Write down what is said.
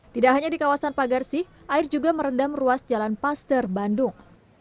tidak hanya di kawasan pagarsih air juga merendam ruas jalan paster bandung